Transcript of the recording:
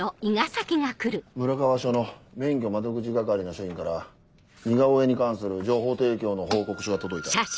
村川署の免許窓口係の署員から似顔絵に関する情報提供の報告書が届いた。